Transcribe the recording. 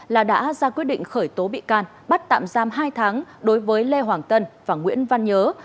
là đã ra quyết định khởi tố bị can bắt tạm giam hai tháng đối với lê hoàng tân và nguyễn văn nhớ